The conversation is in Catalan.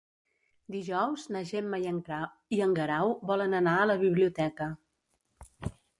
Dijous na Gemma i en Guerau volen anar a la biblioteca.